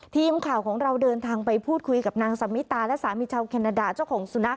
ทีมข่าวของเราเดินทางไปพูดคุยกับนางสมิตาและสามีชาวแคนาดาเจ้าของสุนัข